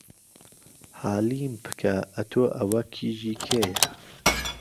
حالیم پکه ئهتۆ ئەوه کیژی کێیه